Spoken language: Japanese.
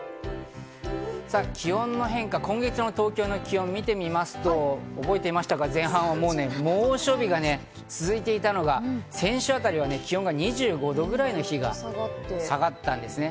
気温の変化、今月の東京の気温を見てみますと、前半は猛暑日が続いていたのが、先週あたり気温が２５度くらいの日があったんですね。